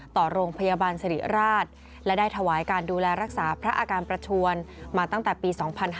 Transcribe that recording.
ต่อโรงพยาบาลสิริราชและได้ถวายการดูแลรักษาพระอาการประชวนมาตั้งแต่ปี๒๕๕๙